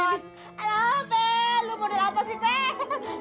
ayo peh lu muda apa sih peh